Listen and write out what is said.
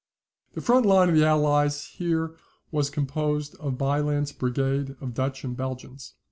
The front line of the Allies here was composed of Bylandt's brigade of Dutch and Belgians.